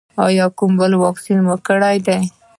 ایا کوم بل واکسین مو کړی دی؟